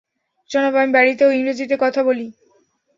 জনাব, আমি বাড়িতেও, ইংরেজি তে কথা বলি।